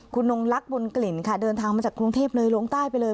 คุณนงลักษ์บนกลิ่นค่ะเดินทางมาจากกรุงเทพเลยลงใต้ไปเลย